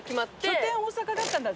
拠点大阪だったんだ。